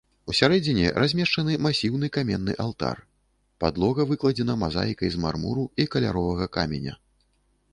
Усярэдзіне размешчаны масіўны каменны алтар, падлога выкладзена мазаікай з мармуру і каляровага каменя.